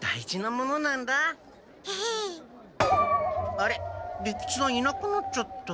あれ利吉さんいなくなっちゃった。